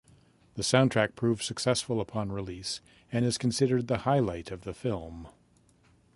The soundtrack proved successful upon release and is considered the highlight of the film.